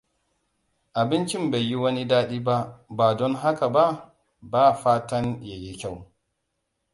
Abincin bai yi wani dadi ba, ba don haka ba fatin ya yi kyau.